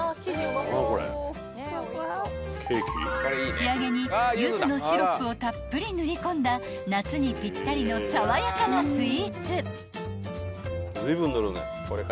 ［仕上げにゆずのシロップをたっぷり塗り込んだ夏にぴったりの爽やかなスイーツ］